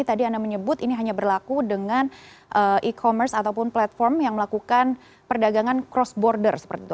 tadi anda menyebut ini hanya berlaku dengan e commerce ataupun platform yang melakukan perdagangan cross border seperti itu